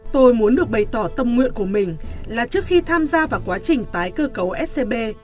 tôi muốn được bày tỏ tâm nguyện của mình là trước khi tham gia vào quá trình tái cơ cấu scb